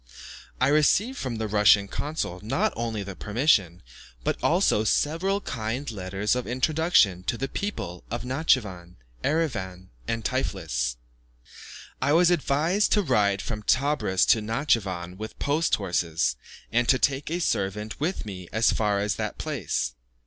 I received from the Russian consul not only the permission, but also several kind letters of introduction to people at Natschivan, Erivan, and Tiflis. I was advised to ride from Tebris to Natschivan with post horses, and to take a servant with me as far as that place.